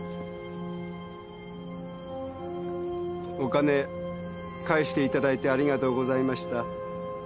お金返していただいてありがとうございました。